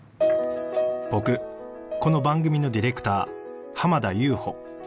僕この番組のディレクター濱田悠歩。